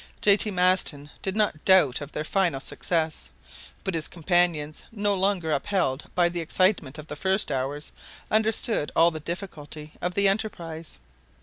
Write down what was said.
J. T. Maston did not doubt of their final success, but his companions, no longer upheld by the excitement of the first hours, understood all the difficulty of the enterprise.